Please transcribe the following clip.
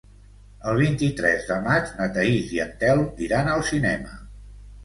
El vint-i-tres de maig na Thaís i en Telm iran al cinema.